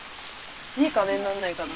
いい金になんないかな。